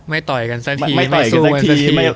ไม่ต่อยกันสักทีไม่ต่อยกันสักทีไม่ต่อยกันสักที